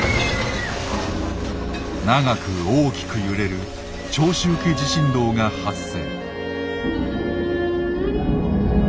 長く大きく揺れる長周期地震動が発生。